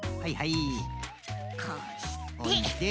こうして。